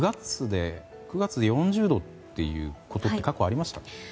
９月で４０度っていうことって過去ありました？